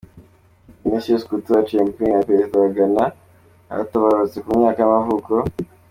Ignatius Kutu Acheampong, perezida wa wa Ghana yaatabarutse, ku myaka y’amavuko.